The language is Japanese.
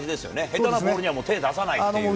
下手なボールにはもう手を出さないっていう。